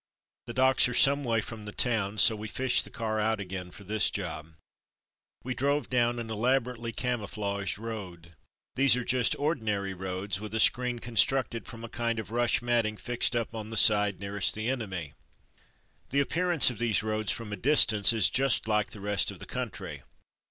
The docks are some way from the town, so we fished the car out again for this job. We drove down an elaborately camouflaged road. These are just ordinary roads, with a screen constructed from a kind of rush matting fixed up on the side nearest the enemy. The appearance of these roads from a distance is just like the rest of the country.